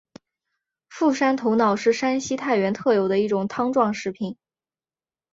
傅山头脑是山西太原特有的一种汤状食品。